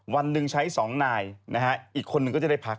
วันหนึ่งใช้๒นายนะฮะอีกคนนึงก็จะได้พัก